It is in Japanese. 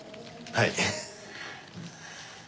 はい。